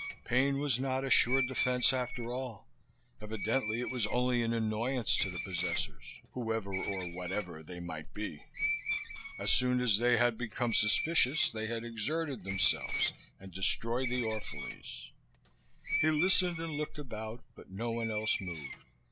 Pain was not a sure defense after all. Evidently it was only an annoyance to the possessors ... whoever, or whatever, they might be. As soon as they had become suspicious they had exerted themselves and destroyed the Orphalese. He listened and looked about, but no one else moved.